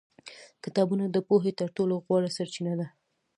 کتابونه د پوهې تر ټولو غوره سرچینه دي.